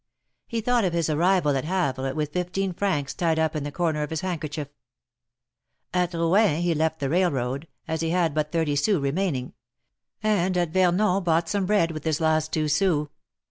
He thought of his arrival at Havre with fifteen francs tied up in the corner of his handkerchief. At Rouen he left the railroad, as he had but thirty sons remaining; and at Yernon bought some bread with his last two sous.